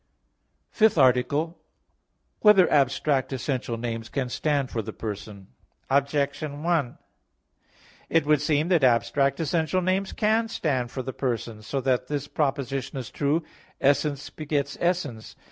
_______________________ FIFTH ARTICLE [I, Q. 39, Art. 5] Whether Abstract Essential Names Can Stand for the Person? Objection 1: It would seem that abstract essential names can stand for the person, so that this proposition is true, "Essence begets essence."